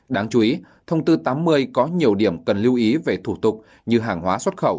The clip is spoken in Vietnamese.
đáng chú ý thông tư tám mươi có nhiều điểm cần lưu ý về thủ tục như hàng hóa xuất khẩu